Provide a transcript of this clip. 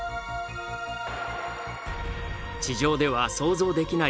地上では想像できない